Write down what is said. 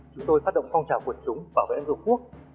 chúng tôi phát động phong trào quận chúng bảo vệ vùng quốc